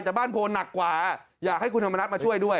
แต่บ้านโพหนักกว่าอยากให้คุณธรรมนัฐมาช่วยด้วย